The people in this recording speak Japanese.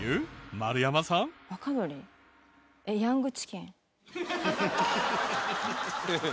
えっヤングチキン？